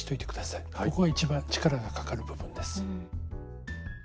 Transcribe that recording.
ここが一番力がかかる部分です。